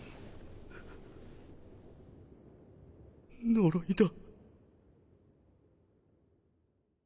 呪いだ。